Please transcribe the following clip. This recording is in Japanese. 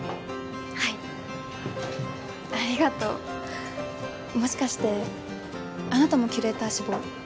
はいありがとうもしかしてあなたもキュレーター志望？